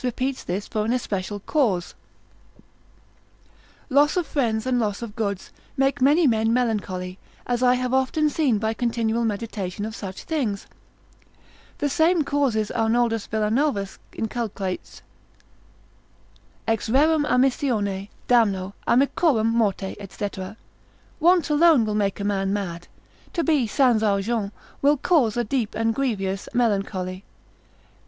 repeats this for an especial cause: Loss of friends, and loss of goods, make many men melancholy, as I have often seen by continual meditation of such things. The same causes Arnoldus Villanovanus inculcates, Breviar. l. 1. c. 18. ex rerum amissione, damno, amicorum morte, &c. Want alone will make a man mad, to be Sans argent will cause a deep and grievous melancholy.